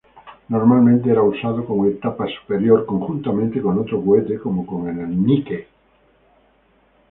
Normalmente era usado como etapa superior conjuntamente con otro cohete, como con el Nike.